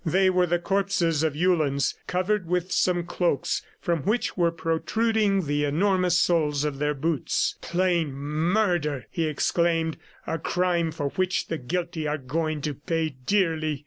They were the corpses of Uhlans, covered with some cloaks from which were protruding the enormous soles of their boots. "Plain murder!" he exclaimed. "A crime for which the guilty are going to pay dearly!"